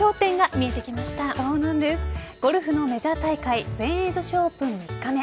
ゴルフのメジャー大会全英女子オープン３日目。